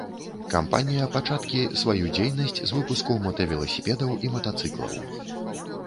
Кампанія пачаткі сваю дзейнасць з выпуску мотавеласіпедаў і матацыклаў.